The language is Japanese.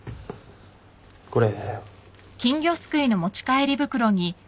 これ。